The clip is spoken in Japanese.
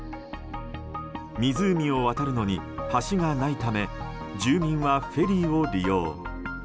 湖を渡るのに橋がないため住民はフェリーを利用。